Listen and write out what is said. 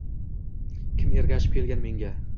Kim ergashib kelgan menga.